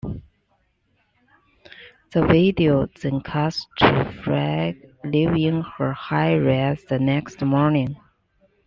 The video then cuts to Frey leaving her high-rise the next morning.